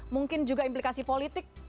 mungkin juga implikasi politik